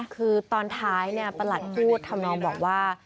คือตอนท้ายประหลัดพูดทำนองบอกว่า